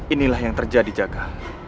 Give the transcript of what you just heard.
inilah yang terjadi jaga